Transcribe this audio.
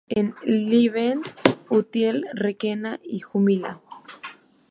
En Levante, Utiel-Requena y Jumilla.